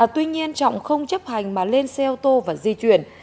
tuy nhiên trọng không chấp hành mà lên xe ô tô và di chuyển